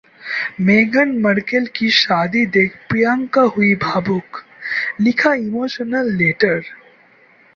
Megan Markle की शादी देख प्रियंका हुईं भावुक, लिखा इमोशनल लेटर